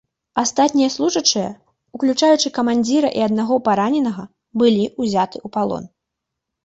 Астатнія служачыя, уключаючы камандзіра і аднаго параненага, былі ўзяты ў палон.